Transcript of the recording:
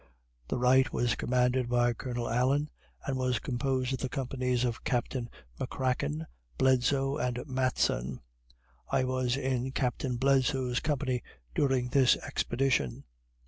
The right was commanded by Colonel Allen, and was composed of the companies of Captains McCracken, Bledsoe, and Matson. I was in Captain Bledsoe's company during this expedition.